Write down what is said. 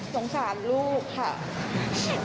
สงสารลูกค่ะ